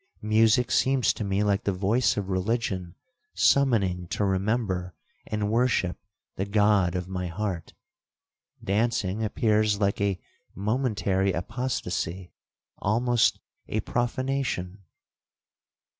Music seems to me like the voice of religion summoning to remember and worship the God of my heart. Dancing appears like a momentary apostasy, almost a profanation.'